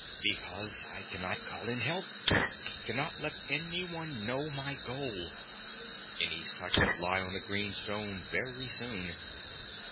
"Because I cannot call in help; cannot let anyone know my goal. Any such would lie on the green stone very soon.